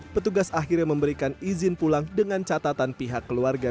petugas akhirnya memberikan izin pulang dengan catatan pihak keluarga